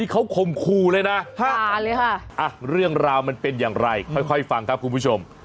เขาคมคู่เลยนะเรื่องราวมันเป็นอย่างไรค่อยฟังครับคุณผู้ชม